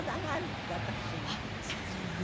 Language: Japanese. あっそうなんです。